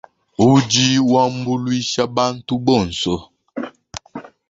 Udi wambuluisha bantu bonso.